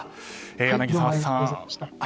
柳澤さん